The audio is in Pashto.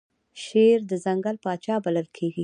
شیر د ځنګل پاچا بلل کیږي